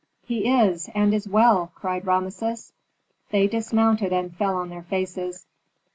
"He is, and is well!" cried Rameses. They dismounted and fell on their faces.